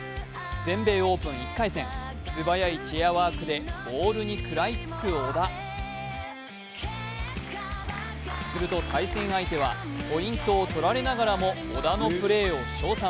全米オープン１回戦素早いチェアワークでボールに食らいつく小田すると対戦相手はポイントを取られながらも小田のプレーを称賛。